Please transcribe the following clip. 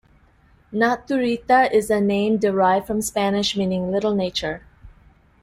Naturita is a name derived from Spanish meaning "little nature".